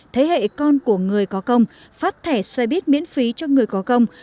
thế hệ con của người có công phát thẻ xoay bít miễn phí cho người có công